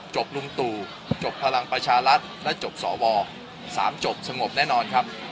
ลุงตู่จบพลังประชารัฐและจบสว๓จบสงบแน่นอนครับ